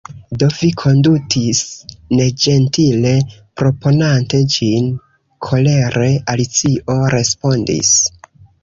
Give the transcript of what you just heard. "Do vi kondutis neĝentile, proponante ĝin," kolere Alicio respondis.